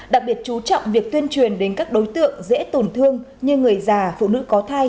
đặc biệt chú trọng việc tuyên truyền đến các đối tượng dễ tổn thương như người già phụ nữ có thai